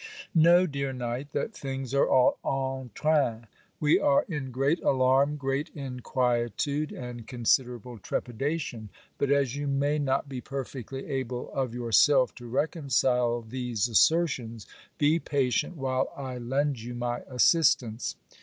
Know, dear knight, that things are all en train. We are in great alarm, great inquietude, and considerable trepidation: but as you may not be perfectly able of yourself to reconcile these assertions, be patient while I lend you my assistance.